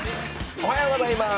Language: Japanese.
おはようございます。